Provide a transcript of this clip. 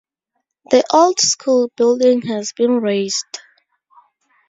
The old school building has been razed.